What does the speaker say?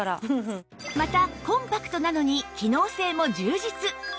またコンパクトなのに機能性も充実